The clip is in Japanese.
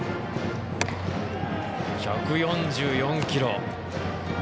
１４４キロ。